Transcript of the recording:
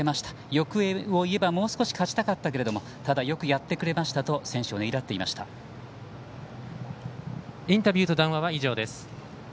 欲を言えばもう少し勝ちたかったけれどもただ、よくやってくれましたとインタビューと談話は以上です。